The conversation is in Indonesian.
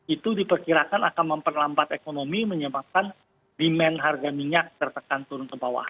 itu diperkirakan akan memperlambat ekonomi menyebabkan demand harga minyak tertekan turun ke bawah